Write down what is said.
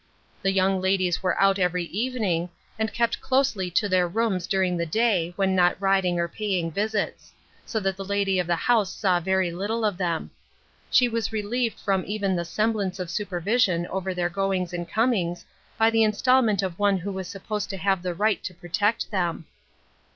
The young ladies were out every evening, and kept closely to their rooms during the day, when not riding or paying visits; so that the lady of the house saw very little of them. She was relieved from even the semblance of supervision over their goings and comings, by the installment of one 156 THE WISDOM OF THIS WORLD. who was supposed to have the right to protect them.